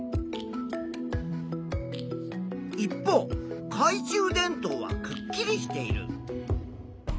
一方かい中電灯はくっきりしている。